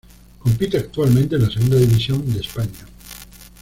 Compite actualmente en la Segunda División de España.